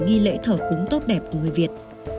nghi lễ thở cúng tốt đẹp của người việt